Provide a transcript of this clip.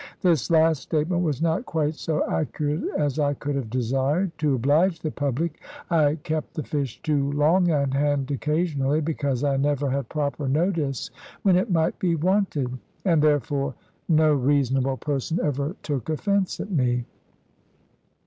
This last statement was not quite so accurate as I could have desired. To oblige the public, I kept the fish too long on hand occasionally, because I never had proper notice when it might be wanted. And therefore no reasonable person ever took offence at me.